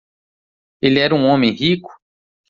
Ele era um homem rico?